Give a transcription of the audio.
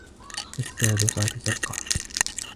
فَالسَّابِقَاتِ سَبْقًا